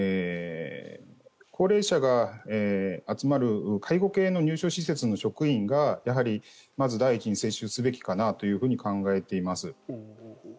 高齢者が集まる介護系の入所施設の職員がやはり、まず第一に接種すべきかなと考えています。